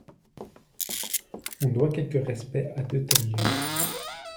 On doit quelque respect à de tels lieux.